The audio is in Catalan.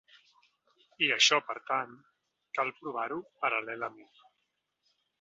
I això, per tant, cal provar-ho paral·lelament.